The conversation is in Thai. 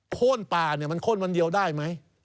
โค้นป่าเนี่ยมันโค้นวันเดียวได้ไหม